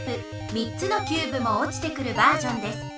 ３つのキューブもおちてくるバージョンです。